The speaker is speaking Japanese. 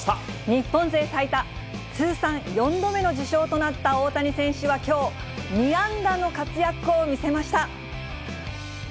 日本勢最多通算４度目の受賞となった大谷選手はきょう、２安打の活躍を見せました。